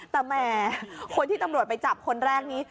แต่แหมคนที่ตำรวจไปจับคนแรกนี้